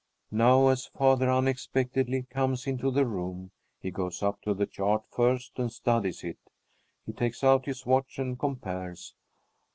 Now, as father unexpectedly comes into the room, he goes up to the chart first and studies it. He takes out his watch and compares.